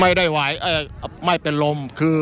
ไม่ไหวไม่เป็นลมคือ